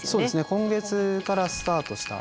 今月からスタートした。